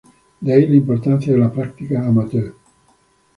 de ahí la importancia de la práctica amateur